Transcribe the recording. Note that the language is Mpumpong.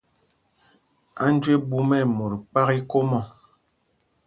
Anjeɓúm ɛ́ mot kpák íkom ɔ̂.